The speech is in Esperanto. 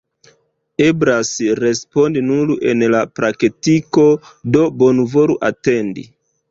Eblas respondi nur en la praktiko, do bonvolu atendi.